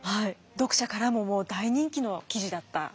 読者からももう大人気の記事だったようです。